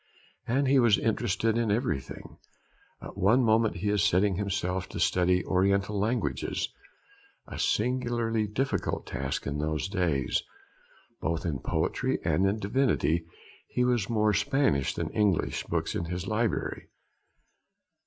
And he was interested in everything. At one moment he is setting himself to study Oriental languages, a singularly difficult task in those days. Both in poetry and divinity he has more Spanish than English books in his library.